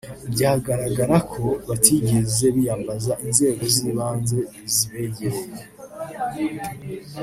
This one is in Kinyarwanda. byagaragaraga ko batigeze biyambaza inzego z’ibanze zibegereye